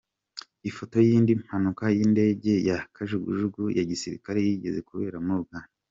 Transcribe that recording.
Ifoto y’indi mpanuka y’indege ya Kajugujugu ya Gisirikare yigeze kubera muri Uganda.